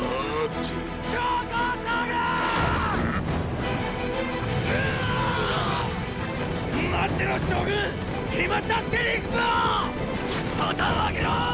旗を上げろォ！